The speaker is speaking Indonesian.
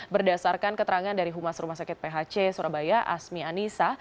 berdasarkan keterangan dari humas rumah sakit phc surabaya asmi anissa